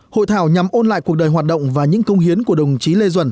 hội thảo nhằm ôn lại cuộc đời hoạt động và những công hiến của đồng chí lê duẩn